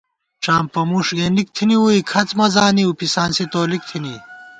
ڄامپہ مُݭ گېنِک تھنی ووئی ، کھڅ مہ زانِؤ، پِسانسی تولِک تھنی